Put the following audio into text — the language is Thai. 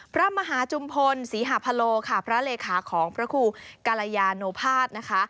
พระมหาจุมพลศรีหาพโลค่ะพระเลขาของพระครูกรยาโนภาษนะคะ